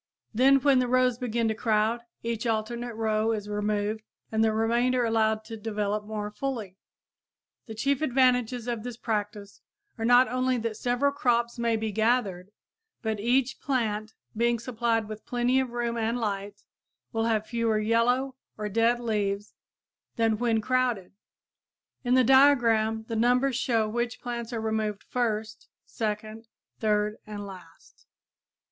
Then when the rows begin to crowd, each alternate row is removed and the remainder allowed to develop more fully. The chief advantages of this practice are not only that several crops may be gathered, but each plant, being supplied with plenty of room and light, will have fewer yellow or dead leaves than when crowded. In the diagram the numbers show which plants are removed first, second, third and last.